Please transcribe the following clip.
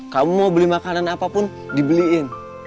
kamu mau beli makanan apapun dibeliin